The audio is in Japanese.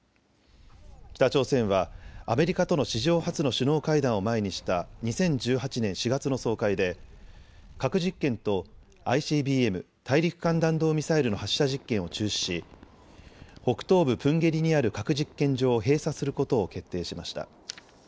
北朝鮮はアメリカとの史上初の首脳会談を前にした２０１８年４月の総会で核実験とＩＣＢＭ・大陸間弾道ミサイルの発射実験を中止し北東部プンゲリにある核実験場を閉鎖することを決定しました。